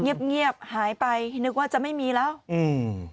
เงียบเงียบหายไปนึกว่าจะไม่มีแล้วอืม